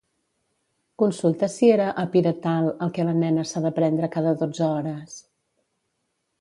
Consulta si era Apiretal el que la nena s'ha de prendre cada dotze hores.